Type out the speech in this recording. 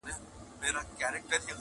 ځيني خلک ستاينه کوي,